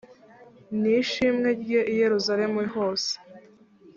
ni ishimwe rye i yerusalemu hose